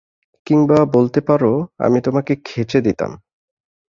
কিংবা বলতে পারো, আমি তোমাকে খেচে দিতাম।